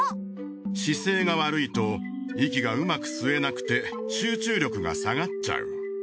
姿勢が悪いと息がうまく吸えなくて集中力が下がっちゃう。